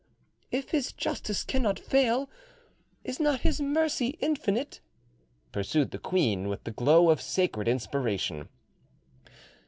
"If His justice cannot fail, is not His mercy infinite?" pursued the queen, with the glow of sacred inspiration.